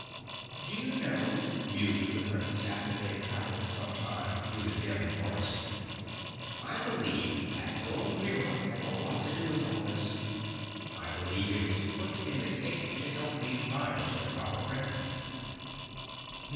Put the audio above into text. "Do you know," mused the Prince, after they had traveled some time through the dim forest, "I believe that gold mirror has a lot to do with all this. I believe it was put in the cake to help me find the Proper Princess."